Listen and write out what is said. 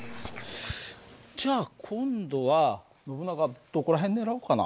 じゃあ今度はノブナガどこら辺を狙おうかな？